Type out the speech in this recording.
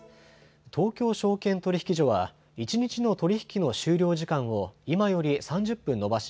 東京証券取引所は一日の取り引きの終了時間を今より３０分延ばし